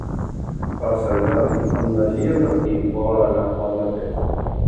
Per Sant Jordi en Magí i en Martí volen anar a Almatret.